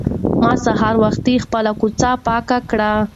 ما سهار وختي خپله کوڅه پاکه کړه.